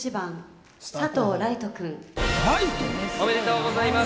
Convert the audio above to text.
おめでとうございます。